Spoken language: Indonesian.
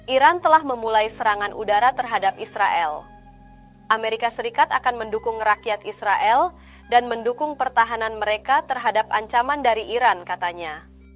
iran telah memulai serangan udara terhadap israel amerika serikat akan mendukung rakyat israel dan mendukung pertahanan mereka terhadap ancaman dari iran katanya